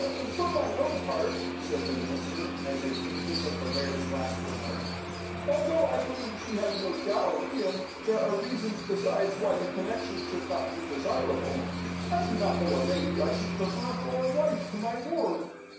"For my own part," said the minister, as if heedless of the laird's last remark, "although I believe she has no dowry, and there are reasons besides why the connection should not be desirable, I do not know a lady I should prefer for a wife to my ward."